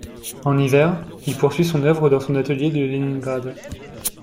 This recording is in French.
En hiver, il poursuit son œuvre dans son atelier de Léningrad.